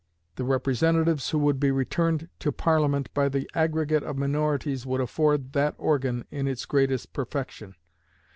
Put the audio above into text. The representatives who would be returned to Parliament by the aggregate of minorities would afford that organ in its greatest perfection.